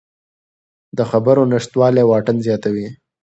د خبرو نشتوالی واټن زیاتوي